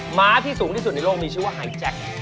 หมาที่สูงที่สุดในโลกมีชื่อว่าไฮแจ็ค